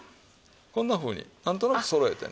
こんなふうになんとなくそろえてね。